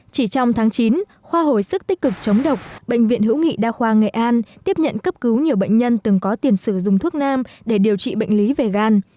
chỉ trong tháng chín khoa hồi sức tích cực chống độc bệnh viện hữu nghị đa khoa nghệ an tiếp nhận cấp cứu nhiều bệnh nhân từng có tiền sử dụng thuốc nam để điều trị bệnh lý về gan